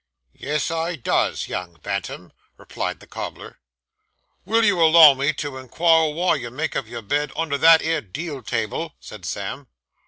'Yes, I does, young bantam,' replied the cobbler. 'Will you allow me to in quire wy you make up your bed under that 'ere deal table?' said Sam.